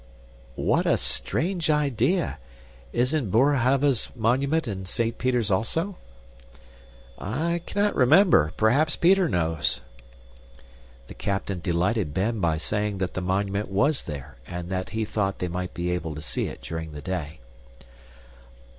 "What a strange idea! Isn't Boerhaave's monument in Saint Peter's also?" "I cannot remember. Perhaps Peter knows." The captain delighted Ben by saying that the monument was there and that he thought they might be able to see it during the day.